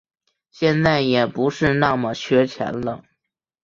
现在也不是那么缺钱了